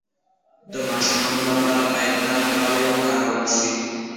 د ماشومانو لپاره باید نرم غالۍ وکارول شي.